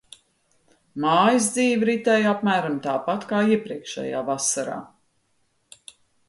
Mājās dzīve ritēja apmēram tāpat kā iepriekšējā vasarā.